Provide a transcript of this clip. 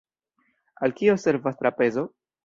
Al kio servas trapezo?